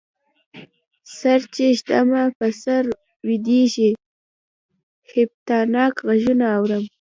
سر چی ږدمه په سر ویږدی، هیبتناک غږونه اورم